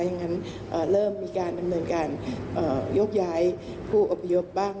อย่างนั้นเริ่มมีการดำเนินการยกย้ายผู้อพยพบ้าง